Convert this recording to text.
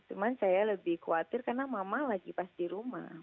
cuma saya lebih khawatir karena mama lagi pas di rumah